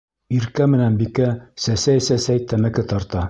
Иркә менән Бикә сәсәй-сәсәй тәмәке тарта.